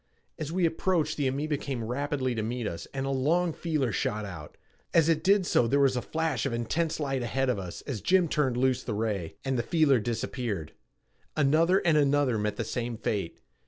As we approached the amoeba came rapidly to meet us and a long feeler shot out. As it did so there was a flash of intense light ahead of us as Jim turned loose the ray, and the feeler disappeared. Another and another met the same fate.